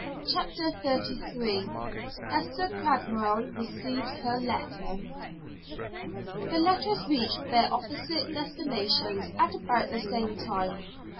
CHAPTER XXXIII HESTER CRAIGMILE RECEIVES HER LETTER The letters reached their opposite destinations at about the same time.